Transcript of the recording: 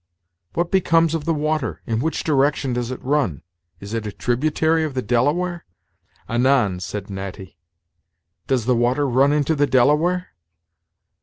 "What becomes of the water? In which direction does it run? Is it a tributary of the Delaware?" "Anan!" said Natty. "Does the water run into the Delaware?"